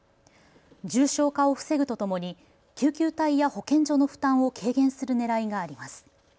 重症化を防ぐとともに救急隊や保健所の負担を軽減するねらいがあります。